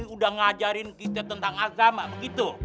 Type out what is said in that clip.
udah ngajarin kita tentang agama begitu